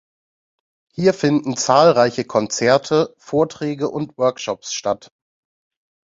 Hier finden zahlreiche Konzerte, Vorträge und Workshops statt.